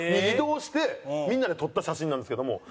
移動してみんなで撮った写真なんですけども。